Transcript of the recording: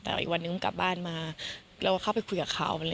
แต่อีกวันนึงกลับบ้านมาเราก็เข้าไปคุยกับเขา